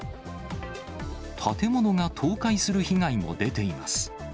建物が倒壊する被害も出ています。